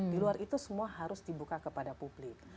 di luar itu semua harus dibuka kepada publik